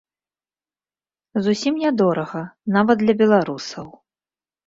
Зусім нядорага, нават для беларусаў.